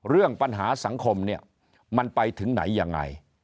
เรื่องปัญหาสังคมเนี่ยมันไปถึงไหนยังไง